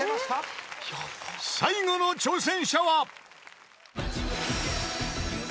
［最後の挑戦者は］